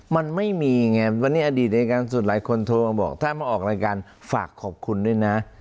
มันไม่มีไงวันนี้อดีตอายการสุดหลายคนโทรมาบอกถ้ามาออกรายการฝากขอบคุณด้วยนะ